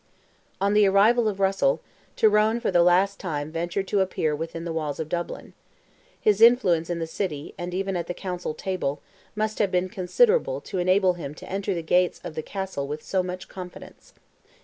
On the arrival of Russell, Tyrone for the last time ventured to appear within the walls of Dublin. His influence in the city, and even at the Council table, must have been considerable to enable him to enter the gates of the Castle with so much confidence.